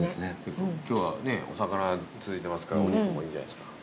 今日はお魚続いてますからお肉もいいんじゃないですか。